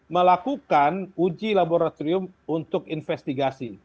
melakukan uji laboratorium untuk investigasi